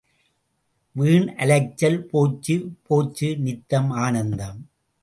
வீணலைச்சல் போச்சு போச்சு நித்தம் ஆனந்தம்!